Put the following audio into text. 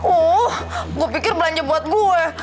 oh gue pikir belanja buat gue